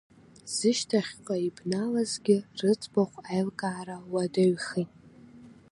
Зышьҭахьҟа ибналазгьы рыӡбахә аилкаара уадаҩхеит.